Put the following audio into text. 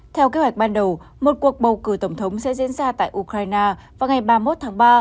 theo kế hoạch ban đầu một cuộc bầu cử tổng thống sẽ diễn ra tại ukraine vào ngày ba mươi một tháng ba